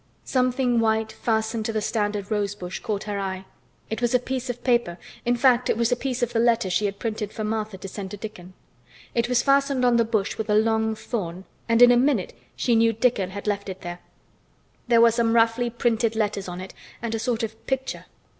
Something white fastened to the standard rose bush caught her eye. It was a piece of paper, in fact, it was a piece of the letter she had printed for Martha to send to Dickon. It was fastened on the bush with a long thorn, and in a minute she knew Dickon had left it there. There were some roughly printed letters on it and a sort of picture.